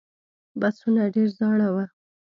بسونه ډېر زاړه و.